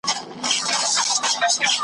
او ملتونه د خپل ځان